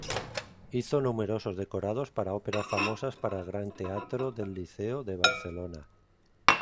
Hizo numerosos decorados para óperas famosas para el Gran Teatro del Liceo de Barcelona.